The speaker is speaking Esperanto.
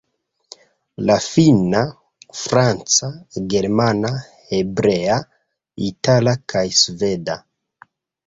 la finna, franca, germana, hebrea, itala kaj sveda.